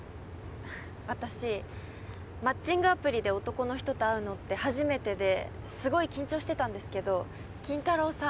私マッチングアプリで男の人と会うのって初めてですごい緊張してたんですけど筋太郎さん